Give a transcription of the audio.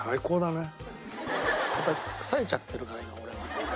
やっぱりさえちゃってるから今俺は。